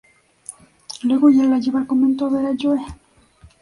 Luego la lleva al convento a ver a Joe.